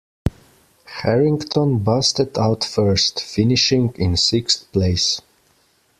Harrington busted out first, finishing in sixth place.